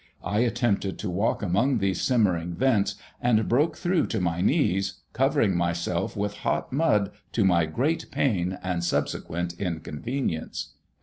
I attempted to walk among these simmering vents, and broke through to my knees, covering myself with hot mud, to my great pain and subsequent inconvenience."